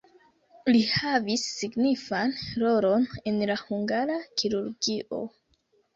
Li havis signifan rolon en la hungara kirurgio.